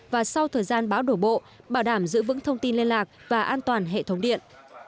và sau thời gian bão đổ bộ bảo đảm giữ vững thông tin liên lạc và an toàn hệ thống điện